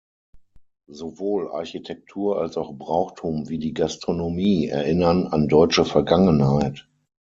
Sowohl Architektur als auch Brauchtum wie die Gastronomie erinnern an deutsche Vergangenheit.